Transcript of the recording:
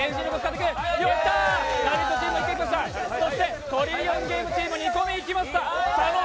そして「トリリオンゲーム」チーム２個目いきました。